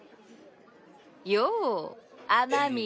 よう雨み。